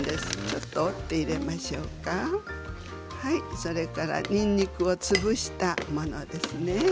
それからにんにくを潰したものですね。